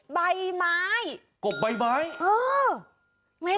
ใบไม้กบใบไม้